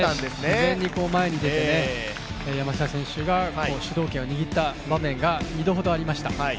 自然に前に出て山下選手が主導権を握った場面が２度ほどありました。